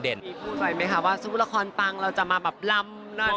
พูดไว้ไหมคะว่าสู้ละครปังเราจะมาแบบลำ